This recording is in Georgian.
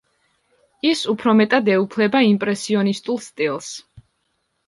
ის უფრო მეტად ეუფლება იმპრესიონისტულ სტილს.